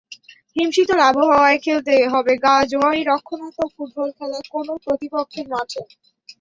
হিমশীতল আবহাওয়ায় খেলতে হবে গা-জোয়ারি রক্ষণাত্মক ফুটবল খেলা কোনো প্রতিপক্ষের মাঠে।